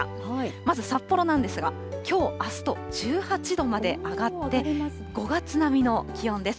まず札幌なんですが、きょうあすと１８度まで上がって５月並みの気温です。